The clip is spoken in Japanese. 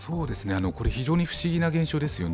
非常に不思議な現象ですよね。